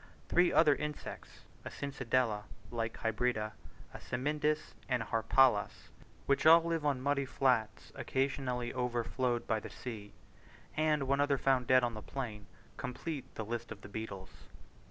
Three other insects (a Cincindela, like hybrida, a Cymindis, and a Harpalus, which all live on muddy flats occasionally overflowed by the sea), and one other found dead on the plain, complete the list of the beetles.